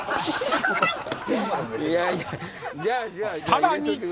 ［さらに］